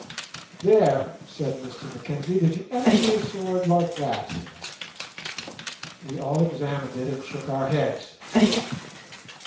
"There," said Mr Mackenzie, "did you ever see a sword like that?" We all examined it and shook our heads.